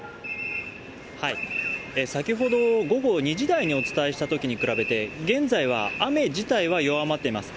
先ほど午後２時台にお伝えしたときに比べて、現在は雨自体は弱まってます。